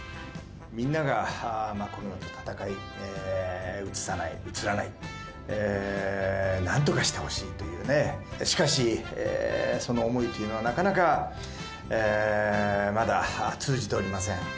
みんながコロナと戦い、うつさない、うつらない、なんとかしてほしいというね、しかし、その想いっていうのは、なかなかまだ通じておりません。